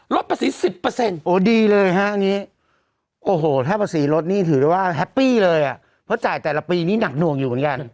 ลดภาษีสิบเปอร์เซ็นต์โอ้ดีเลยฮะอันนี้โอ้โหถ้าภาษีลดนี่ถือได้ว่าเลยอ่ะเพราะจ่ายแต่ละปีนี้หนักหน่วงอยู่เหมือนกัน